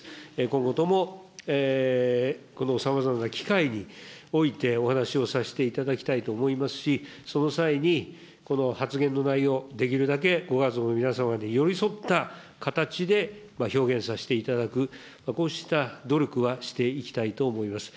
今後とも、このさまざまな機会においてお話しをさせていただきたいと思いますし、その際に、発言の内容、できるだけご家族の皆様に寄り添った形で表現させていただく、こうした努力はしていきたいと思います。